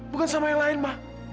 bukan sama yang lain mah